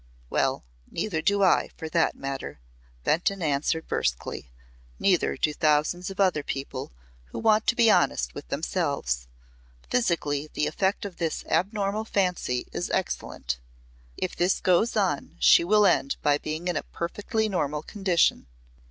"Well neither do I for that matter," Benton answered brusquely. "Neither do thousands of other people who want to be honest with themselves. Physically the effect of this abnormal fancy is excellent. If this goes on she will end by being in a perfectly normal condition."